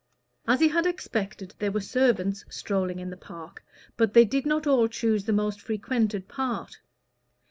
As he had expected, there were servants strolling in the park, but they did not all choose the most frequented part.